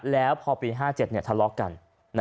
แล้วพอปี๕๗เนี่ยทะเลาะกัน